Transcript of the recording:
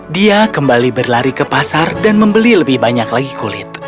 dia kembali berlari ke pasar dan membeli lebih banyak lagi kulit